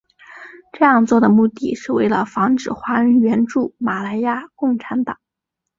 这样做的目的是为了防止华人援助马来亚共产党。